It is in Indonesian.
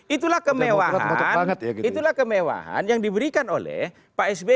itulah kemewahan yang diberikan oleh pak sbe